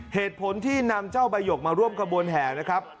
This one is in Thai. เหตุผลที่นำเจ้าใบหยกมาร่วมขบวนแห่นะครับ